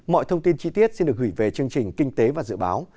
mọi thông tin chi tiết xin được gửi về chương trình kinh tế và dự báo